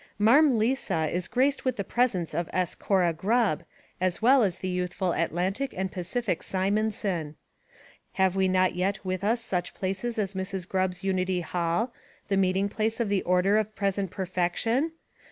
Marm Lisa is graced with the presence of S. Cora Grubb, as well as the youthful Atlantic and Pacific Simonson. Have we not yet with us such places as Mrs. Grubb's Unity Hall, the Meeting Place of the Order of Present Perfection